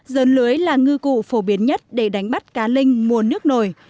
dơn lưới là ngư cụ phổ biến nhất để đánh bắt cá linh mùa nước nổi